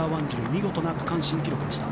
見事な区間新記録でした。